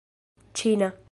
ĉina